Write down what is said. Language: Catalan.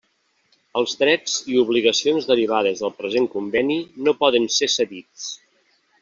Els drets i obligacions derivades del present Conveni no poden ser cedits.